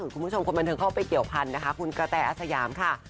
คุณแก้วไปเกี่ยวพันธ์นะคะคุณกะแท่อัชยามค่ะ